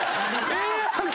⁉ええやんけ！